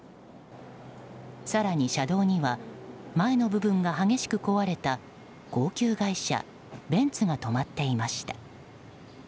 更に、車道には前の部分が激しく壊れた高級外車ベンツが止まっていました。